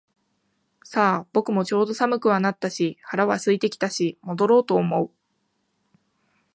さあ、僕もちょうど寒くはなったし腹は空いてきたし戻ろうと思う